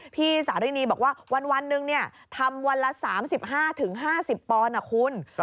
พี่สารินีบอกว่าวันหนึ่งทำวันละ๓๕๕๐ปอนด์นะคุณ